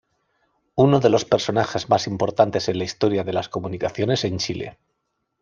Uno de los personajes más importantes en la historia de las comunicaciones en Chile.